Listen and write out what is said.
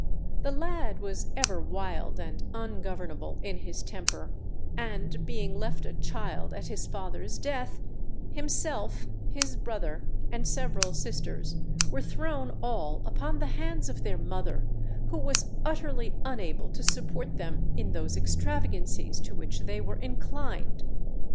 The lad was ever wild and ungovernable in his temper, and being left a child at his father's death, himself, his brother, and several sisters were thrown all upon the hands of their mother, who was utterly unable to support them in those extravagancies to which they were inclined.